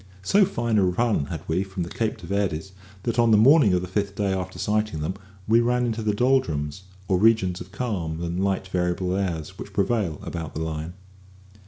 So fine a run had we from the Cape de Verdes, that on the morning of the fifth day after sighting them we ran into the "doldrums," or region of calms and light variable airs which prevail about the line.